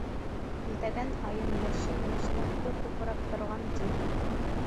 Һелтәгән һайын йәшен йәшнәп, күк күкрәп торған, ти.